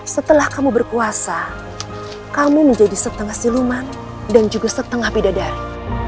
setelah kamu berkuasa kamu menjadi setengah siluman dan juga setengah beda dari